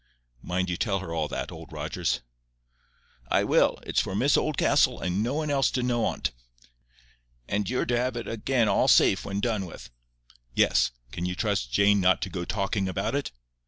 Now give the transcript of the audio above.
Mind you tell her all that, Old Rogers." "I will. It's for Miss Oldcastle, and no one else to know on't. And you're to have it again all safe when done with." "Yes. Can you trust Jane not to go talking about it?"